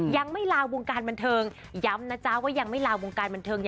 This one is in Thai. ลาวงการบันเทิงย้ำนะจ๊ะว่ายังไม่ลาวงการบันเทิง